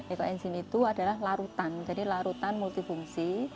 ekoenzim itu adalah larutan jadi larutan multifungsi